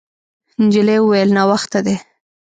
نجلۍ وویل: «ناوخته دی.»